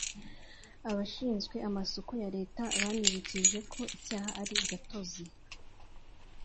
Abashinzwe amasoko ya Leta banibukijwe ko icyaha ari gatozi